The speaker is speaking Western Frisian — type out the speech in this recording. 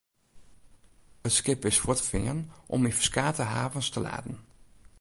It skip is fuortfearn om yn ferskate havens te laden.